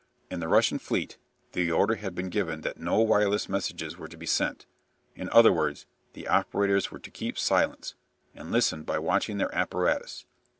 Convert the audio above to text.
In the Russian fleet the order had been given that no wireless messages were to be sent. In other words, the operators were to keep silence, and listen by watching their apparatus.